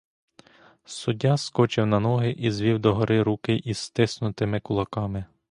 Суддя скочив на ноги і звів догори руки із стиснутими кулаками.